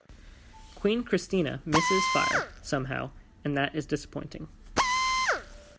"Queen Christina" misses fire, somehow, and that is disappointing.